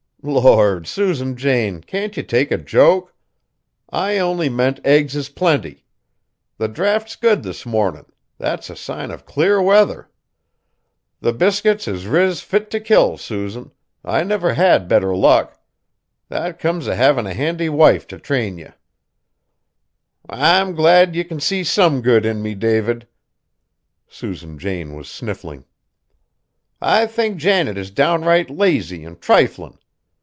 "Lord! Susan Jane, can't ye take a joke? I only meant eggs is plenty. The draught's good this mornin'; that's a sign of clear weather. The biscuits is riz fit t' kill, Susan, I never had better luck. That comes of havin' a handy wife t' train ye." "I'm glad you can see some good in me, David!" Susan Jane was sniffling. "I think Janet is downright lazy an' triflin'.